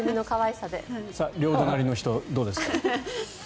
両隣の人どうですか？